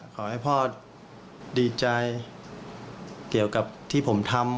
ขอให้พ่อดีใจเกี่ยวกับที่ผมทำ